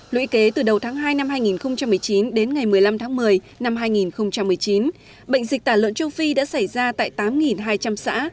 lũy kế từ đầu tháng hai năm hai nghìn một mươi chín đến ngày một mươi năm tháng một mươi năm hai nghìn một mươi chín bệnh dịch tả lợn châu phi đã xảy ra tại tám hai trăm linh xã